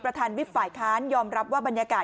ประธานวิทย์ฝ่ายค้านยอมรับว่าบรรยากาศ